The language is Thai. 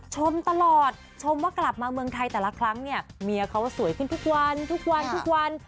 ชมตลอดชมว่ากลับมาเมืองไทยแต่ละครั้งเนี่ยเมียเขาสวยขึ้นทุกวันทุกวันทุกวันทุกวัน